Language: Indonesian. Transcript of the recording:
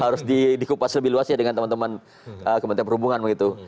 harus dikupas lebih luas ya dengan teman teman kementerian perhubungan begitu